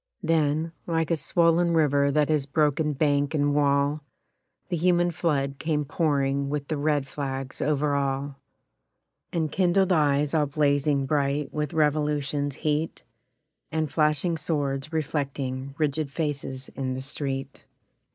Then, like a swollen river that has broken bank and wall, The human flood came pouring with the red flags over all, And kindled eyes all blazing bright with revolution's heat, And flashing swords reflecting rigid faces in the street.